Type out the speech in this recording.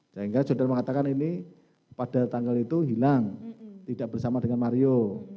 sehingga saudara mengatakan ini pada tanggal itu hilang tidak bersama dengan mario